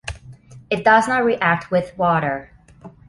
It does not react with water.